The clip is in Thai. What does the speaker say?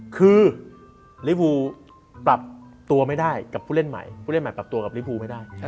คือลิฟูปรับตัวไม่ได้กับผู้เล่นใหม่ปรับตัวกับลิฟูไม่ได้